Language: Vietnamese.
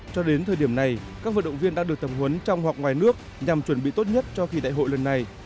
cho đến thời điểm này các vận động viên đã được tập huấn trong hoặc ngoài nước nhằm chuẩn bị tốt nhất cho kỳ đại hội lần này